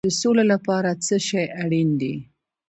د سولې لپاره څه شی اړین دی؟